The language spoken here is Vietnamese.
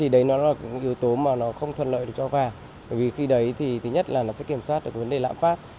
đấy là yếu tố mà không thuận lợi cho vàng vì khi đấy thì thứ nhất là nó sẽ kiểm soát được vấn đề lãm phát